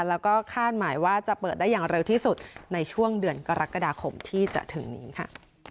แล้วก็คาดหมายว่าจะเปิดได้อย่างเร็วที่สุดในช่วงเดือนกรกฎาคมที่จะถึงนี้ค่ะ